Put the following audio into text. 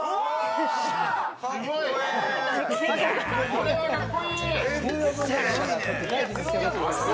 これはかっこいい！